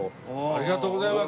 ありがとうございます。